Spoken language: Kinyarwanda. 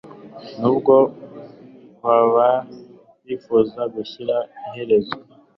nubwo baba bifuza gushyira iherezo